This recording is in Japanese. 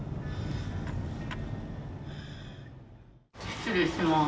失礼します。